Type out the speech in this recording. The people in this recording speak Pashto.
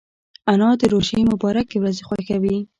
انا د روژې مبارکې ورځې خوښوي